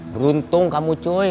beruntung kamu cuy